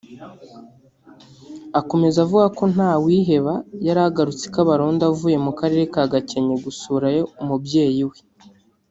Akomeza avuga ko Ntawiheba yari agarutse i Kabarondo avuye mu Karere ka Gakenke gusurayo umubyeyi we